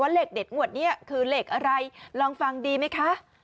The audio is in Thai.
เลขเด็ดงวดนี้คือเลขอะไรลองฟังดีไหมคะ